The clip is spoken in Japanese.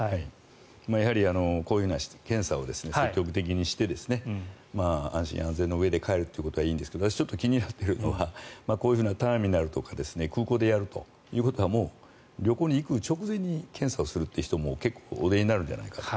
やはりこういう検査を積極的にして安心安全のうえで帰るというのはいいんですが私、ちょっと気になっているのはこういうターミナルとか空港でやることは旅行に行く直前に検査をするという人も結構おいでになるんじゃないかと。